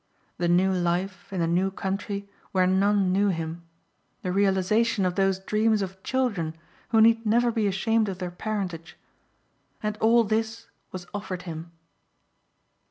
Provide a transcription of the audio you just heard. The new life in the new country where none knew him. The realization of those dreams of children who need never be ashamed of their parentage. And all this was offered him.